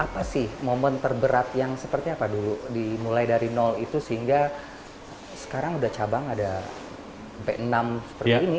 apa sih momen terberat yang seperti apa dulu dimulai dari nol itu sehingga sekarang udah cabang ada sampai enam seperti ini